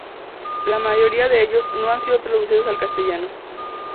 La mayoría de ellos no han sido traducidos al castellano.